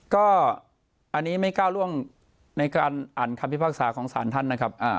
ก็อันนี้ไม่ก้าวล่วงในการอ่านคำพิพากษาของสารท่านนะครับ